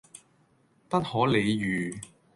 不可理喻